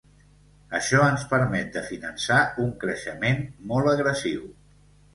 Això ens permet de finançar un creixement molt agressiu.